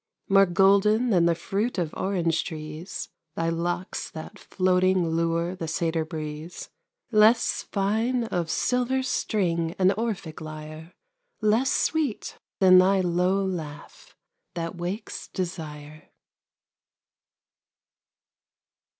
More golden than the fruit Of orange trees, Thy locks that floating lure The satyr breeze. Less fine of silver string An Orphic lyre, Less sweet than thy low laugh That wakes desire.